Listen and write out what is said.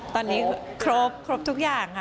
ตอนนี้ครบทุกอย่างค่ะ